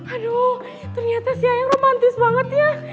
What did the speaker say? aduh ternyata si ayang romantis banget ya